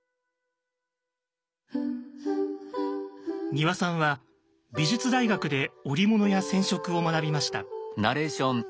丹羽さんは美術大学で織物や染色を学びました。